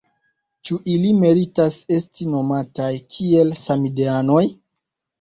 Ĉu ili meritas esti nomataj kiel ‘samideanoj’?